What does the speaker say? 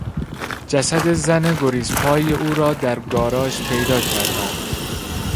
جسد زن گریز پای او را در گاراژ پیدا کردند.